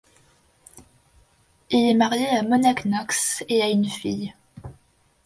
Il est marié à Mona Knox et a une fille.